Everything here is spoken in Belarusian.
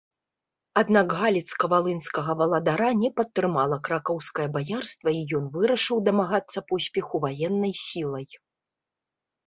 Аднак галіцка-валынскага валадара не падтрымала кракаўскае баярства і ён вырашыў дамагацца поспеху ваеннай сілай.